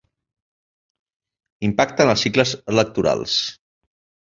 Impacte en els cicles electorals.